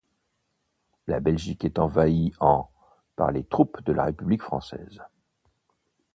La Belgique est envahie en par les troupes de la République française.